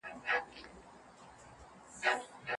لور ته د انسانیت درس ورکول د ټولنې د رغولو لومړی ګام دی